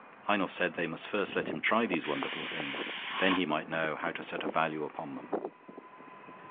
Heinel said they must first let him try these wonderful things, then he might know how to set a value upon them.